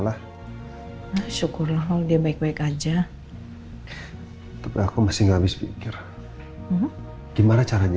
lah syukurlah dia baik baik aja tapi aku masih nggak habis pikir gimana caranya